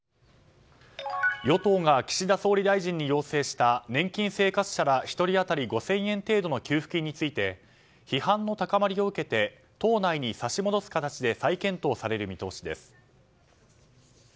与党が岸田総理大臣に要請した年金生活者ら１人当たり５０００円程度の給付金について、批判の高まりを受けて党内に差し戻す形で再検討される見通しです。